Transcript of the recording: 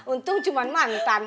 untung cuma mantan